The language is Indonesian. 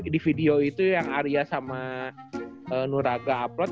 di video itu yang arya sama nuraga uplot